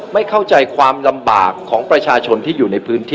ไม่เข้าใจความลำบากของประชาชนที่อยู่ในพื้นที่